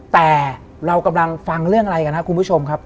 แต่เรากำลังฟังเรื่องอะไรกันครับคุณผู้ชมครับ